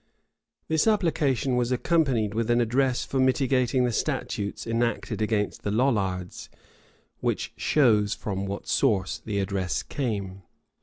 [*] This application was accompanied with an address for mitigating the statutes enacted against the Lollards, which shows from what source the address came.